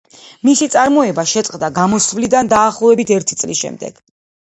მისი წარმოება შეწყდა გამოსვლიდან დაახლოებით ერთი წლის შემდეგ.